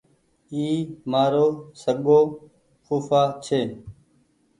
اي مآرو سگو ڦوڦآ ڇي